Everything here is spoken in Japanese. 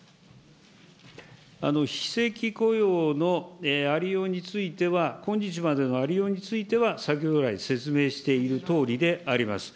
非正規雇用のありようについては、今日までのありようについては、先ほど来、説明しているとおりであります。